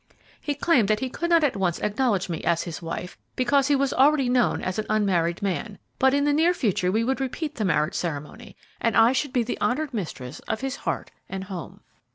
He claimed that he could not at once acknowledge me as his wife, because he was already known as an unmarried man, but in the near future we would repeat the marriage ceremony and I should be the honored mistress of his heart and home.